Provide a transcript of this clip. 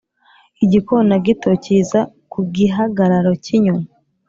igikona gito cyiza ku gihagararo cyinyoni